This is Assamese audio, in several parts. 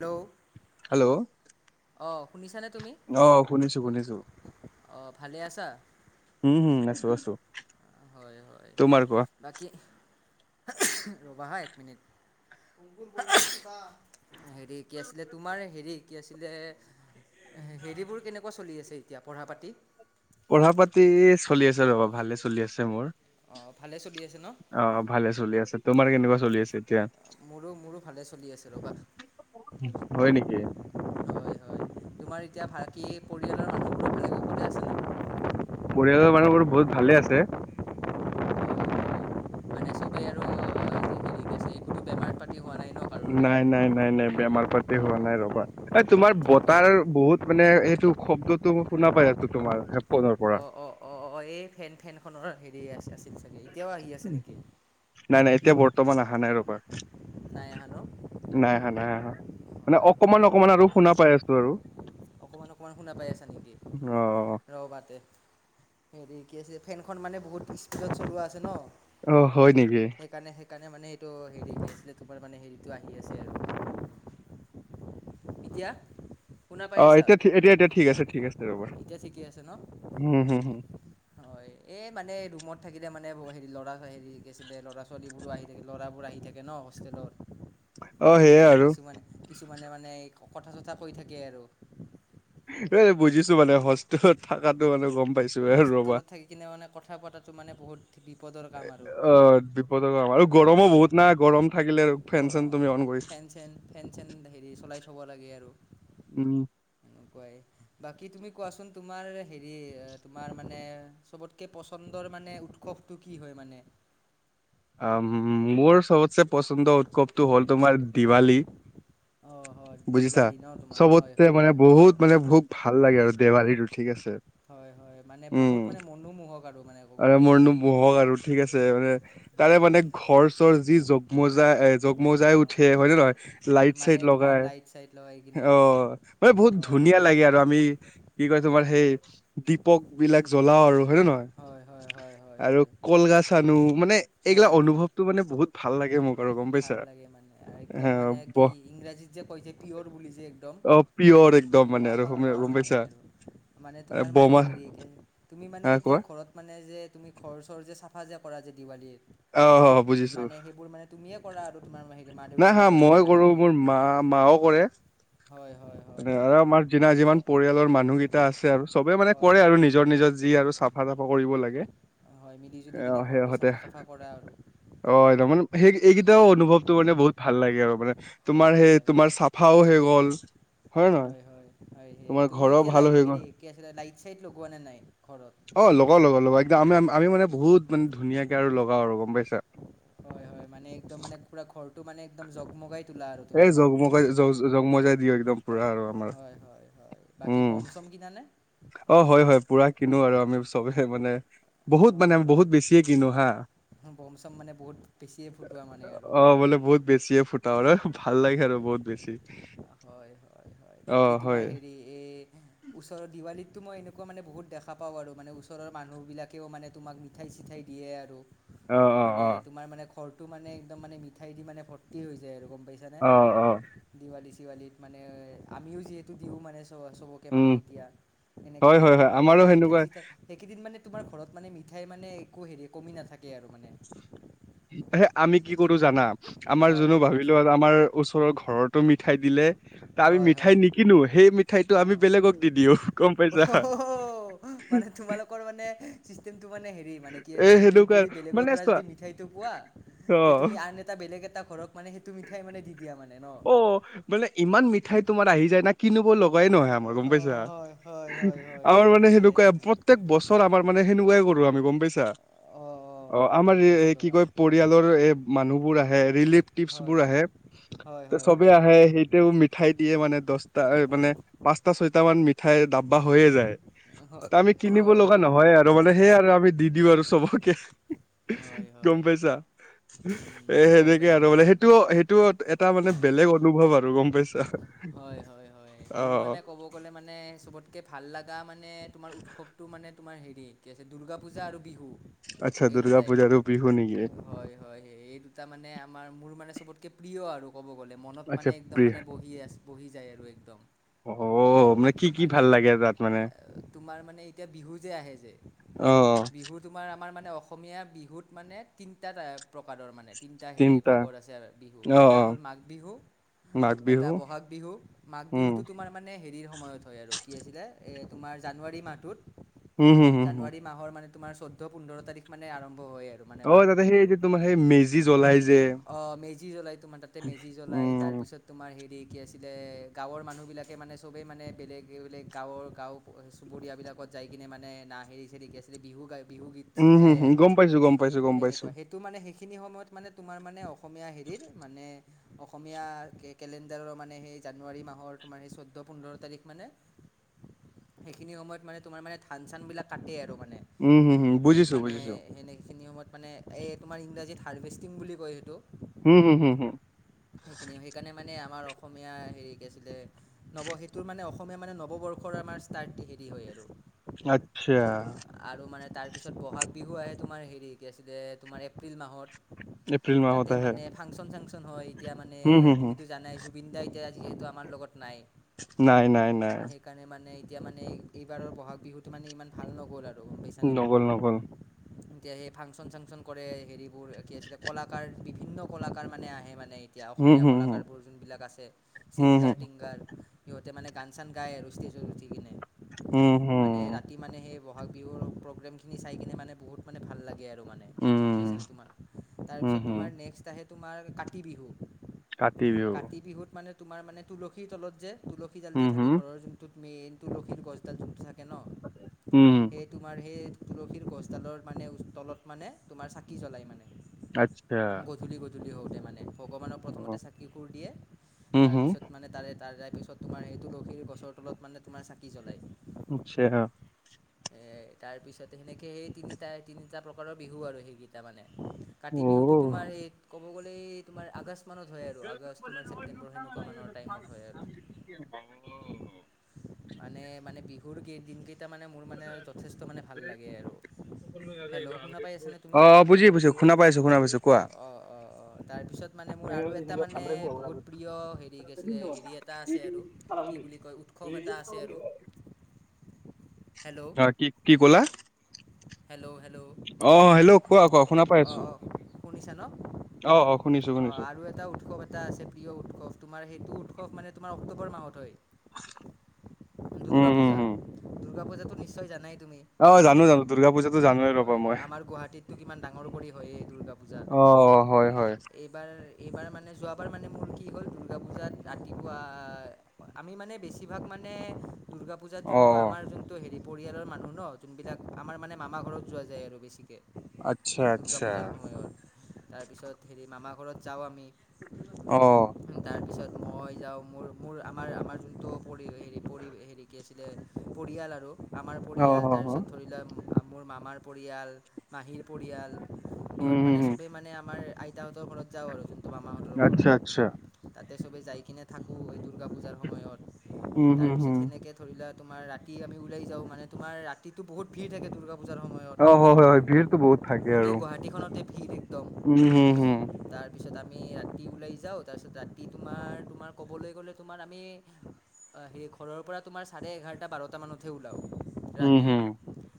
হেল্ল'ঊ। হেল্ল' শুনিছানে অহ শুনিছো, শুনিছো। অহঁ ভালে আছা? উম, হুম আছো, আছো। হয়, হয়, তোমাৰ কোৱা বাকী ৰ'বা হা এক মিনিট। হেৰি কি আছিলে তোমাৰ হেৰি কি আছিলে হেৰিবোৰ কেনেকুৱা চলি আছে এতিয়া পঢ়া-পাতি? পঢ়া-পাতি চলি আছে ৰবা, ভালে চলি আছে মোৰ। অ ভালে চলি আছে ন অ ভালে চলি আছে, তোমাৰ কেনেকুৱা চলি আছে এতিয়া? মোৰো-মোৰো ভালে চলি আছে ৰবা। হয় নেকি? হয় হয়, তোমাৰ এতিয়া ভাকী পৰিয়ালৰ ভালে কুশলে আছে নে? পৰিয়ালৰ মানুহবোৰ বহুত ভালে আছে, মানে চবেই আৰু কোনো বেমাৰ পাতি হোৱা নাই ন? কাৰোৰে অঁ নাই, নাই, নাই, নাই বেমাৰ পাতি হোৱা নাই ৰবা। এই তোমাৰ ঠিকেই বতাৰ বহুত মানে, এইটো শব্দটো শুনা পাই আছো তোমাৰ হেডফোনৰ পৰা। অঁ, অঁ, অঁ এই ফেন ফেনখনৰ হেৰি আছিল-আছিল চাগে, এতিয়াও আহি আছে নেকি? নাই-নাই এতিয়া বৰ্তমান অহা নাই ৰবা। নাই আহা ন? নাই আহা, নাই আহা মানে অকমান-অকমান আৰু শুনা পাই আছো আৰু। অকণমান-অকণমান শুনা পাই আছা নেকি অ ৰ'বাতে। হেৰি কি আছে ফেনখন মানে বহুত স্পীডত চলোৱা আছে ন। অ হয় নেকি? সেইকাৰণে-সেইকাৰণে মানে এইটো হেৰি [unintelligible] তোমাৰ মানে হেৰিটো আহি আছে আৰু। [inaudible] ইতিয়া? অ' এতিয়া-এতিয়া-এতিয়া ঠিক আছে, ঠিক আছে, ৰ'বা এতিয়া ঠিকে আছে ন হু-হু। হয়। এই মানে ৰুমত থাকিলে মানে হেৰি ল'ৰা হেৰি ল'ৰা ছোৱালীবোৰো আহি থাকে, ল'ৰাবোৰ আহি থাকে ন। অ হোষ্টেলত। সেয়াই সেইকাৰণে আৰু কিছুমান-কিছুমানে মানে কথা চথা কৈ থাকে আৰু। ঐ বুজিছো মানে স থাকাতটো মানে গম পাইছোৱে ৰবা। দি কিনে মানে কথা পতাটো মানে বহুত বিপদৰ কাম আৰু অ, বিপদৰ গম আৰু গৰমো বহুত না গৰম। থাকিলে ফেন গৰ চেন তুমি অ' অন গৰ কৰি ফেন চেন, ফেন চেন হেৰি চলাই থ'ব লাগে আৰু। উম সেনেকুৱাই। বাকী তুমি কোৱাচোন? তোমাৰ হেৰি তোমাৰ মানে চবতকে পচন্দৰ মানে উৎ সবটো কি হয় মানে? মোৰ সবতচে পচন্দ উৎসৱটো হ'ল তোমাৰ দিৱালী। অ', বুজিছা চবতে মানে বহুত মানে ভোক ভাল লাগে আৰু দেৱালীটো ঠিক আছে। হয়-হয় মানে উম বহুত মানে মনোমোহক আৰু মানে গম পাইছে নে উৎসৱ। হক আৰু ঠিক আছে মানে। তাৰে মানে ঘৰ চৰ যি জগমজা এ জগমজাই উঠে হয় নে নহয়? মানে লাইট-চাইট তোমাৰ লগাই লাইট চাইট লগাই কিনে অ' মানে বহুত হয় ধুনীয়া লাগে আৰু আমি কি কয় তোমাৰ সেই দীপক। বিলাক জ্বলাও আৰু হয় নে নহয়? হয় হয় হয় হয় আৰু হয় কলগাছ আনো মানে এইগিলা হয় হয় অনুভৱটো মানে বহুত ভাল লাগে মোক আৰু গম ভাল পাইছা। লাগে মানে একদম মানে কি ব- ইংৰাজীত যে কয় যে পিয়'ৰ বুলি যে একদম অ', পিয়ৰ একদম মানে আৰু গম সেনেকুৱা গম মানে পাইছা? আৰু। মানে তোমাৰ মানে বমা হেৰি তুমি মানে হা এতিয়া কোৱা ঘৰত মানে যে তুমি ঘৰ-চৰ যে চাফা যে কৰা যে দেৱালীৰ, অ', বুজিছো মানে সেইবোৰ মানে তুমিয়ে কৰা আৰু তোমাৰ হেৰি ম না হা মই কৰো মোৰ মা মাও কৰে। হয়-হয়। তাতে আৰু আমাৰ যিনা যিমান পৰিয়ালৰ মানুহকেইটা আছে আৰু চবে মানে হয় কৰে হয় আৰু। নিজ নিজৰ-নিজৰ যি আৰু চাফা চাফা কৰিব লাগে। হয়, মিলি জুলি কিনে অ', ঘৰটো সিহঁতে চাফা তাফা কৰা আৰু। অ, এইটো মানে সেই এইকেইটাও হয় অনুভৱটো মানে বহুত ভাল লাগে আৰু মানে। তোমাৰ হয় সেই হয় তোমাৰ চাফাও হৈ গ'ল। হয়নে নহয়? হয় হয় হয়, সেইয়াই তোমাৰ তুমি ঘৰৰ এতিয়া ভাল হৈ গ'ল হেৰি কি আছিলে লাইট চাইট লগোৱা নে নাই ঘৰত? অ, লগাঁও-লগাও-লগাও। তে আমি আ আমি মানে বহুত মানে ধুনীয়াকে আৰু লগাও আৰু গম পাইছা। হয়-হয়, মানে একদম মানে পুৰা ঘৰটো মানে একদম জগমগাই তোলা আৰু তুমি এই ন জগমজাই জ-জগমজাই দিও একদম। পুৰা আৰু আমাৰ হয়-হয়-হয় বাকী উম বম-চম কিনানে? অ, হয় -হয় পুৰা কিনো আৰু আমি চবে মানে। বহুত মানে হয় আমি হয় বহুত বেছিয়ে কিনো হা। বম চম মানে বহুত বেছিয়ে ফুটোৱা মানে আৰু অ, হয়নে নাই বোলে বহুত বেছিয়ে ফুটা [unintelligible] ভাল লাগে আৰু হয় বহুত বেছ [unintelligible] হয়- হয় -হয় বাকী তোমাৰ হেৰি এ ওচৰ দিৱালিতটো মই এনেকুৱা মানে বহুত দেখা পাওঁ আৰু মানে ওচৰৰ মানুহবিলাক। কেও মানে তোমাক মিঠাই চিঠাই দিয়ে আৰু। অ অ মানে অ তোমাৰ মানে ঘৰটো মানে একদম মানে মিঠাই দি মানে ভৰ্তি হৈ যায় আৰু গম পাইছানে? অ অ দিৱালী-চিৱালিত মানে আমিও যিহেতু দিওঁ মানে চব চবকে। কে উম মানে এতিয়া এনেকে হয় হয় মানে হয় তোমাৰো আমাৰো মানে সেনেকুৱা মিঠাই-চিঠাই সেইকেইদিন মানে তোমাৰ ঘৰত। মানে মিঠাই মানে একো হেৰি কমি নাথাকে আৰু মানে। হে আমি কি কৰো জানা আমাৰ হয় যোনো হয় কোৱাচোন ভাবিলোঁ আৰু আমাৰ ওচৰৰ ঘৰতো মিঠাই দিলে তা আমি হয় মিঠাই হয় নিকিনো সেই মিঠাইটো আমি বেলেগক দি দিওঁ গম পাইছা। অ', মানে তোমালোকৰ মানে চিচতেমটো মানে হেৰি মানে কি এ আছে তুমি সেনেকুৱা যদি বেলেগৰ মানে পৰা চোৱা যদি মিঠাইটো কোৱা অ তে তুমি আন এটা বেলেগ এটা ঘৰক মানে সেইটো মিঠাই মানে দি দিয়া মানে ন'? অ, মানে ইমান মিঠাই তোমাৰ আহি যায় না কিনোব লগাই নহয় আমাৰ গম পাইছা। হয় হয় হয় হয় আমাৰ হয় মানে সেয়াই সেনেকুৱাই মানে প্ৰত্যেক বছৰ আমাৰ মানে সেনেকুৱাই কৰো আমি গম পাইছা। অঁ অঁ অ, অঁ আমাৰ গম পাইছোঁ এ কি ৰ'বা কয় পৰিয়ালৰ এ মানুহবোৰ আহে ৰিলিপ টিপছ বোৰ হয় আহে হয় তে হয় চবে হয় আহে সেইটোৱ মি মিঠাই দিয়ে মানে দচটা মানে পাঁচটা, ছয়টা মান মিঠাই ডাব্বা হৈয়ে যায়। হয় টা আমি কিনিব হয় লগা হয় নহয় আৰু মানে সেইয়া আৰু আমি দি দিওঁ আৰু চবকে। হয় গম হয় পাইছা উম এ গম সেনেকে পাইছোঁ আৰু মানে ৰ'বা সেইটো ত' সেইটোত এটা মানে বেলেগ অনুভৱ আৰু গম পাইছা। হয়- হয়-হয় অ মোৰ মানে ক'ব ক'বলে মানে চবতকে ভাল লাগা মানে তোমাৰ উৎসৱটো মানে তোমাৰ হেৰি কি আছে দুৰ্গা পূজা আৰু বিহু। আচ্ছা এই দুৰ্গা দুটাই পূজা আৰু বিহু নেকি হয়-হয় এই দুটা মানে আমাৰ মোৰ মানে চবতকে প্ৰিয় আৰু ক'ব গ'লে মনত আচ্ছা মানে একদম প্ৰিয় মানে বহি আছ বহি যায় আৰু একদম। অ, মানে কি- কি ভাল লাগে আৰু তাত? মানে [unintelligible] তোমাৰ মানে এতিয়া বিহু যে আহে যে অ বিহু [unintelligible] তোমাৰ আমাৰ মানে অসমীয়া বিহুত মানে তিনিটা টায়াব প্ৰকাৰৰ মানে। তিনিটা হেৰি তিনটা ভাগত আছে আৰু বিহু অ এটা অ হ'ল মাঘ বিহু, মাঘ এটা বিহু বহাগ বিহু মাঘ উম বিহুটো টুম তোমাৰ মানে হেৰিৰ সময়ত হয় আৰু কি আছিলে এ তোমাৰ জানুৱাৰী মাহটোত। উম, হম- হম -হম জানুৱাৰী মাহৰ মানে তোমাৰ চৈধ্য পোন্ধৰ তাৰিখ মানে আৰম্ভ হয় আৰু। অ, যাতে হেই যে তোমাৰ হেই মেজি জ অ, মেজি জ্বলাই তোমাৰ তাতে মেজি জ্বলাই তাৰ উম পিছত তোমাৰ হেৰি কি আছিলে গাঁৱৰ মানুহবিলাকে মানে চবেই মানে বেলেগে বেলেগ গাঁৱৰ গাঁও চুবুৰীয়াবিলাকত যাই কিনে মানে না হেৰি চেৰি কি আছিলে বিহু গাই বিহু গীত চিত উম, হম - হম গম পাইছোঁ -গম পাইছোঁ -গম পাইছোঁ। তো মানে সেইখিনি সময়ত মানে তোমাৰ মানে অসমীয়া হেৰিৰ মানে অসমীয়া কেলেন দাৰৰ মানে সেই জানুৱাৰী মাহৰ তোমাৰ সেই চৈধ্য, পোন্ধৰ তাৰিখ মানে সেইখিনি সময়ত মানে তোমাৰ মানে ধান চান বিলাক কাটে আৰু মানে। উম হম হম বুজিছো মানে বুজিছো সেনেখিনি সময়ত মানে এই তোমাৰ ইংৰাজীত হাৰ্ভেষ্টিং বুলি কয় এইটো। উ [unintelligible] সেইখিনি সেইকাৰণে মানে আমাৰ অসমীয়া হেৰি কি আছিলে নৱ সেইটোৰ মানে অসমীয়া মানে নৱবৰ্ষৰ আমাৰ ষ্টাৰ্ট হেৰি হয় আৰু। আচ্ছা। আৰু মানে তাৰ পিছত বহাগ বিহু আহে তোমাৰ হেৰি কি আছিলে তোমাৰ এপ্ৰিল মাহত। এপ্ৰিল মাহত তাতে আহে মানে ফাংচন চাংচন হয় এতিয়া মানে হুম, হুম, হুম। তুমিতো জানাই য জুবিন দা এতিয়া যিহেতু আমাৰ লগত নাই। নাই, নাই, নাই। সেইকাৰণে মানে এতিয়া মানে এইবাৰৰ ব'হাগ বিহুটো মানে ইমান ভাল নগ'ল আৰু। গম পাইছানে নগল- নগল। এতিয়া সেই ফাংচন -চাংচন কৰে হেৰিবোৰ কি আছিলে কলাকাৰ বিভিন্ন কলাকাৰ মানে আহে মানে। এতিয়া হুম, অসমীয়া হুম, হুম। কলাকাৰবোৰ যোনবিলাক আছে হুম, হুম। ছিংগাৰ- টিংগাৰ সিহঁতে মানে গান চান গায় আৰু ষ্টেজত উঠি কিনে হুম, হুম। মানে ৰাতি মানে সেই বহাগ বিহুৰ প্ৰগ্ৰেমখিনি চাই কিনে মানে বহুত মানে ভাল লাগে আৰু মানে। গম পাইছে উম, নে তোমাৰ? হুম, তাৰপিছত হুম। তোমাৰ নেক্সট আহে তোমাৰ কাতি বিহু। কাতি বিহু। কাতি বিহুত মানে তোমাৰ মানে তুলসীৰ তলত যে, তুলসীডাল হুম, যে থাকে হুম। ঘৰৰ যোনটোত মেইন টোলক্ষীৰ গছডাল যোনটো থাকে ন? উম। তোমাৰ সেই তুলসীৰ গছডালৰ মানে তলত মানে তোমাৰ চাকি জ্বলাই মানে। আচ্ছা। গধূলি হওঁতে মানে, ভগৱানক প্ৰথমতে অ', চাকি সুৰ দিয়ে হুম, হুম। তাৰপিছত মানে তাৰে [unintelligible] পিছাত তোমাৰ এই তুলসী গছৰ তলত মানে তোমাৰ চাকি জ্বলায়। আচ্ছা হা। এ তাৰ পিছতে সেনেকে সেই তিনিটা-তিনিটা প্ৰকাৰৰ বিহু আৰু সেই গীত তাৰ মানে কাতি বিহুটো অ'। তোমাৰ এই ক'ব গ'লে এই তোমাৰ আগষ্ট ত হয় আৰু আগষ্ট তোমাৰ ছেপ্টেম্বৰ সেনেকুৱা মানৰ টাইমত হয় আৰু। মানে-মানে বিহুৰ কেই দিনকেইটা মানে মোৰ মানে যথেষ্ট মানে ভাল লাগে আৰু। হেল্ল' শুনা পাই [unintelligible] আছানে তুমি অ', অ', বুজি বুজোঁ শুনা পাইছোঁ শুনা পাইছোঁ কোৱা। অ', অ', তাৰপিছত মানে মোৰ আৰু এটা মানে বহুত প্ৰিয় হেৰি কি আছিলে [unintelligible] হেৰি এটা আছে আৰু কি বুলি কয় উৎসৱ এটা আছে আৰু [unintelligible] হেল্ল' কি-কি ক'লা? Hello, hello? অ', হেল্ল' কোৱা-কোৱা শুনা পাই অঁ আছোঁ। অঁ শুনিছা ন অ', অ', অঁ শুনিছোঁ-শুনিছোঁ। আৰু এটা উঠস এটা আছে প্ৰিয় উৎসৱ তোমাৰ সেইটো উৎসৱ মানে তোমাৰ অক্টোবৰ মাহত হয়। উম দুূৰ্গা উম পূজা। উম দুূৰ্গা পূজাটো নিশ্চয় জানাই তুমি? অ', জানো-জানো, দুৰ্গা পূজাতো জানোৱেই ৰ'বা মই। গুৱাহাটীতটো কিমান ডাঙৰ কৰি হয় এই দুৰ্গা পূজা। অ', হয়, হয়। এইবাৰ-এইবাৰ মানে যোৱাবাৰ মানে মোৰ কি হ'ল দুৰ্গা পূজাত ৰাতিপুৱা আমি মানে বেছিভাগ মানে দুৰ্গা পূজাত অ যোনটো আমাৰ যোনটো হেৰি পৰিয়ালৰ মানুহ ন যোনবিলাক আমাৰ মানে মামা ঘৰত যোৱা যায় আৰু বেছিকৈ। আচ্ছা দুূৰ্গা আচ্ছা পূজাৰ সময়ত, তাৰপিছত হেৰি মামা ঘৰত যাওঁ আমি। অ'। তাৰপিছত মই যাওঁ মোৰ-মোৰ আমাৰ-আমাৰ যোনটো পৰি হেৰি-পৰি হেৰি কি আছিলে, পৰিয়াল আৰু। আমাৰ অ অ পৰিয়াল অ তাৰপিছত ধৰি লোৱা মোৰ মামাৰ পৰিয়াল, মাহীৰ পৰিয়াল। উম সিহঁত হুম মানে হুম চবেই মানে আমাৰ আইতাহঁতৰ ঘৰত যাও আৰু জোনটো মামাহঁত আচ্ছা, আচ্ছা। তাতে চবেই যাই কিনে থাকোঁ এই দুৰ্গা পূজাৰ সময়ত। উম হুম তাৰপিছত হুম সেনেকৈ ধৰি লোৱা তোমাৰ ৰাতি আমি ওলাই যাওঁ মনে তোমাৰ ৰাতিটো বহুত ভিৰ থাকে দুৰ্গা পূজাৰ সময়ত। অ', হয়, হয়, হয় ভিৰটো বহুত থাকে গোটেই আৰু গুৱাহাটীখনতে ভিৰ একদম। উম হুম হুম তাৰ তাৰপিছত আমি ৰাতি ওলাই যাওঁ তাৰপিছত ৰাতি তোমাৰ-তোমাৰ ক'বলৈ গ'লে তোমাৰ আমি অ', সে ঘৰৰ পৰা তোমাৰ চাৰে এঘাৰটা বাৰটা মানতহে ওলাও উম ৰাতি। হুম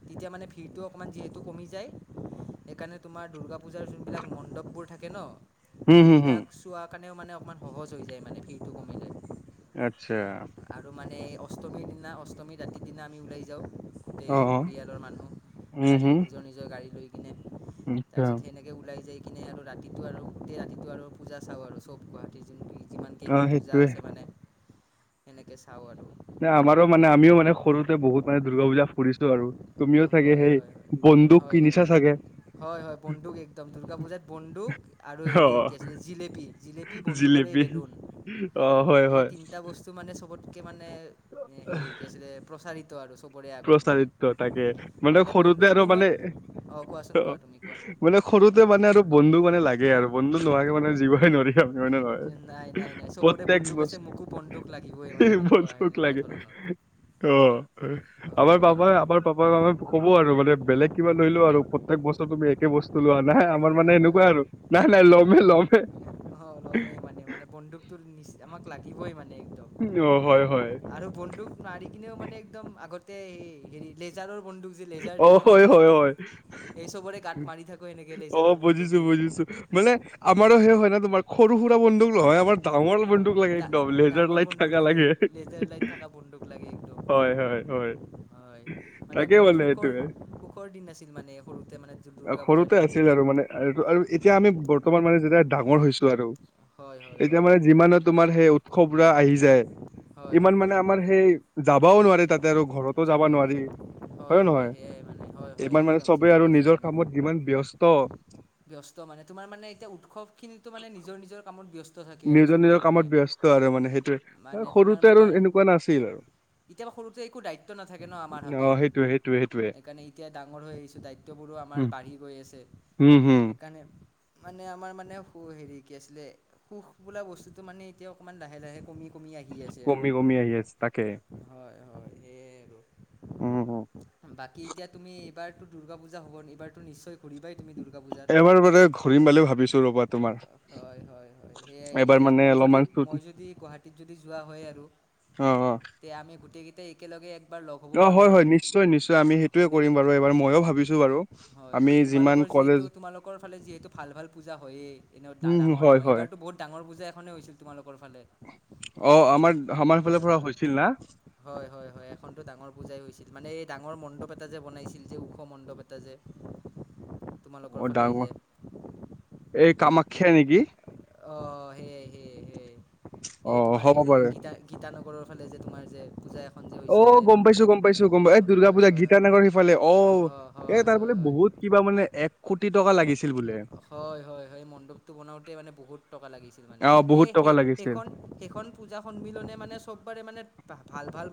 তেতিয়া মানে ভিৰটো অকণমান যিহেতু কমি যায়, সেইকাৰণে তোমাৰ দুৰ্গা পূজাৰ যোনবিলাক মণ্ডপবোৰ থাকে ন? হুম হুম হুম সেইবিলাক চোৱা কাৰণেও মানে অকণমান সহজ হৈ যায় মানে ফিৰটো কমিলে। আচ্ছা আৰু মানে অষ্টমীৰ দিনা, অষ্টমী ৰাতিৰ দিনা আমি ওলাই যাওঁ। অ গোটেই অ পৰিয়ালৰ মানুহ, উম গাড়ী হুম নিজৰ-নিজৰ গাড়ী লৈ কিনে আচ্ছা তাৰপিছত সেনেক কে ওলাই যাই কিনে আৰু ৰাতিটো আৰু গোটেই ৰাতিটো আৰু পূজা চাওঁ আৰু চব গুৱাহাটীৰ যোনটো যিমান অ কেইখন পূজা সেইটোয়ে আছে মানে, সেনেকৈ চাওঁ আৰু নাই আমাৰো মানে আমিও মানে সৰুতে বহুত মানে দুৰ্গা পূজা ফুৰিছো আৰু তুমিও থাগে হয় সেই হয় বন্দুক হয় কি হয় নিছা চাগে? হয় হয় বন্দুক একদম, দুৰ্গা পূজাত বন্দুক আৰু হেৰি অ' কি আছিলে জিলেপী, জিলেপী, বন্দুক আৰু এই বেলুন। অঁ হয় হয়। এটা বস্তু মানে চবতকে মানে অঁ হেৰি [unintelligible] প্ৰচাৰিত আৰু চবৰে আগত মানে প্ৰচাৰিত তাকে। মানে সৰুতে বন্দুক আৰু মানে নোহোৱাক, অঁ কোৱাচোন কোৱা তুমি কোৱা? মানে সৰুতে মানে আৰু বন্ধু মানে লাগে আৰু বন্ধু নহোৱাকে মানে জিবই নোৱাৰি আমি মানে নহয়। নাই নাই নাই চবৰে প্ৰত্যেক বন্দুক আছে, বস্তু মোকো বন্দুক লাগিবই মানে সেনেকুৱা সেনেকুৱা ধৰণৰ। অঁ। হয় হয় আমাৰ হয় পাপাই আমাৰ পাপ মামে কব আৰু মানে, বেলেগ কিবা লৈ লোও আৰু প্ৰত্যেক বছৰ তুমি একে বস্তু চলোৱা নাই আমাৰ মানে এনেকুৱা আৰু নাই নাই ল'মে ল'মে। অঁ লমেই মানে মানে বন্দুকতো নি আমাক লাগিবই মানে একদম। অঁ হয় হয়। আৰু বন্দুক মাৰি কিনেও মানে একদম, আগতে হেৰি লেজাৰৰ বন্দুক লেজাৰ যে অ' থাকে হয়, যে, হয়, হয়। এই চবৰে গাঁত মাৰি থাকোঁ এনেকৈ অ লেজাৰৰ বন্দুক বুজিছো দি। বুজিছো মানে আমাৰো সেই হয় না তোমাৰ, সৰু-সুৰা বন্ধুক নহয়, আমাৰ তামল হয় বন্দুক লাগে ডা একদম, লেজাৰ ডাঙৰ লাইট বন্দুক থাকা লাগে। লেজাৰ লাইট থকা বন্দুক লাগে একদম। হয় হয় হয়। হয়। মানে তাকে বহুত সুখৰ, সেইটোৱে সুখৰ দিন আছিল মানে, সৰুতে মানে দুৰ্গা পূজাৰ দিন কেইটা। আৰুটো আৰু এতিয়া আমি বৰ্তমান মানে যেতিয়া ডাঙৰ হৈছো আৰু হয় হয় এতিয়া হয় মানে যিমানো তোমাৰ সেই উৎসৱ বৰা আহি যায় হয় ইমান হয় মানে হয় আমাৰ সেই, যাবাও নোৱাৰি তাতে আৰু ঘৰতো যাবও যাবা নোৱাৰি। নোৱাৰিম হয় নহয়? সেয়াই মানে হয় হয় ইমান মানে একদম চবে ঠিকেই আৰু কৈছা নিজৰ তুমি কামত যিমান ব্যস্ত ব্যস্ত মানে তোমাৰ মানে এতিয়া উৎসৱ খিনিতো মানে, নিৰ নিজৰ কামত ব্যস্ত। থাকে আৰু চবেই নিজৰ-নিজৰ মানে কামত ব্যস্ত আৰু মানে সেইটোৱে, সৰুতে আৰু এনেকুৱা নাছিল। তেতিয়াবা সৰুতে একো দায়িত্ব নাথাকে ন আমাৰ অ সেইটোৱে হাতত। সেইটোৱে সেইটোৱে সেইকাৰণে এতিয়া ডাঙৰ হৈ আহিছোঁ, দায়িত্ববোৰো আমাৰ বাঢ়ি গৈ আছে। উম, হুম, সেইকাৰণে, মানে আমাৰ মানে সু হেৰি কি আছিলে সুখ বোলা বস্তুটো মানে এতিয়া অকমান লাহে-লাহে কমি কমি আহি আছে আৰু কমি কমি আহি আছে তাকে। হয় হয়, সেইয়ে আৰু উম, উম, বাকী এতিয়া তুমি এইবাৰটো দুৰ্গা পূজা হ'ব নি, এইবাৰটো নিশ্চয় ঘূৰিবাই তুমি দুৰ্গা পূজাত এইবাৰ মানে ঘূৰিম বুলি ভাবিছোঁ ৰবাত। হয় হয় হয় সেয়াই এবাৰ এতিয়া মানে মই যদি অলপমান চুট মই যদি গুৱাহাটীত যদি যোৱা হয় আৰু অঁ অঁ। এতিয়া আমি গোটেই একেলগে একবাৰ লগ হ'ম। অ হয় হয় নিশ্চয় নিশ্চয়, আমি সেইটোয়ে কৰিম বাৰু এইবাৰ ময়ো ভাবিছো বাৰু। হয় আমি হয় যিমান তোমালোকৰ কলেজ যিহেতো, তোমালোকৰ ফালে যিহেতো ভাল-ভাল পূজা হয়েই। এনেও উম, হয়, ডাঙৰ-ডাঙৰ, হয়, এইবাৰ বহুত ডাঙৰ পূজা এখনে হৈছিল তোমালোকৰ ফালে। অ আমাৰ আমাৰফালৰ হয় পৰা হয় হৈছিল না? হয় হয় হয়। এখনতো ডাঙৰ পূজাই হৈছিল, মানে এই ডাঙৰ মণ্ডপ এটা যে বনাইছিল যে ওখ মণ্ডপ এটা যে। [unintelligible] অঁ ফালে এই ডাঙৰ, যে এই কামাখ্যা নেকি? অঁ সেয়ে সেয়ে সেয়ে এই অ', তোমাৰ হ'ব হেৰী পাৰে। গীতা গীতা নগৰৰ ফালে যে তোমাৰ যে পূজা এখন যে হৈছিল অঁ যে গম পাইছোঁ গম পাইছোঁ গম পাই অ' দুৰ্গা হয় পূজা হয় গীতা নগৰ সিফালে অঁ, হয় হয় এই হয় তাৰ বোলে বহুত কিবা মানে এক কোটি টকা লাগিছে। হয় হয় হয় এই মণ্ডপটো বনাওঁতেই মানে বহুত টকা লাগিছিল মানে অ', সে বহুত টকা সেই লাগিছিল। সেইখন সেইখন পূজা সন্মিলনে মানে চব বাৰে মানে ভা ভাল ভাল